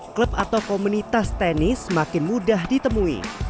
klub atau komunitas tenis semakin mudah ditemui